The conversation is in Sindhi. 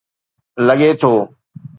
لڳي ٿو.